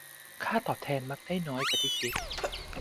ค่าตอบแทนมักได้น้อยกว่าที่คิด